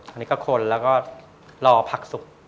อันนี้ก็คนแล้วก็รอผักสุก